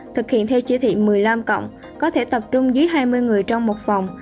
thực hiện theo chỉ thị một mươi năm cộng có thể tập trung dưới hai mươi người trong một phòng